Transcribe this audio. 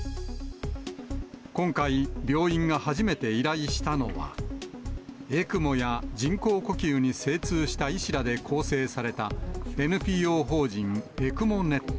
今回、病院が初めて依頼したのは、ＥＣＭＯや人工呼吸に精通した医師らで構成された、ＮＰＯ法人ＥＣＭＯｎｅｔ。